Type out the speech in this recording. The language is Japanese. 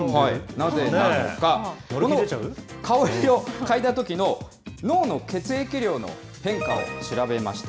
なぜなのか、この香りを嗅いだときの脳の血液量の変化を調べました。